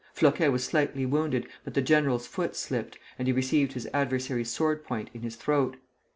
Floquet was slightly wounded, but the general's foot slipped, and he received his adversary's sword point in his throat.